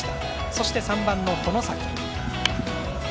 そして、３番の外崎。